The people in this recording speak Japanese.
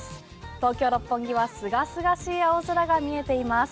東京・六本木は清々しい青空が見えています。